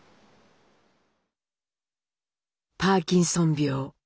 パーキンソン病。